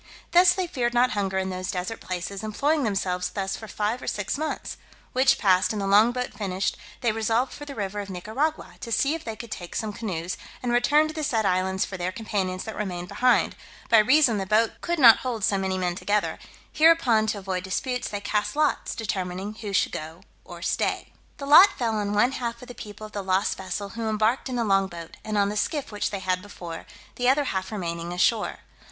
Thus they feared not hunger in those desert places, employing themselves thus for five or six months; which past, and the long boat finished, they resolved for the river of Nicaragua, to see if they could take some canoes, and return to the said islands for their companions that remained behind, by reason the boat could not hold so many men together; hereupon, to avoid disputes, they cast lots, determining who should go or stay. [Illustration: "'LOLONOIS, WITH THOSE THAT REMAINED, HAD MUCH ADO TO ESCAPE ABOARD THEIR BOATS'" Page 97] The lot fell on one half of the people of the lost vessel, who embarked in the long boat, and on the skiff which they had before, the other half remaining ashore.